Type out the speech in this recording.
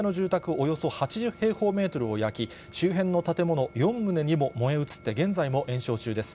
およそ８０平方メートルを焼き、周辺の建物４棟にも燃え移って現在も延焼中です。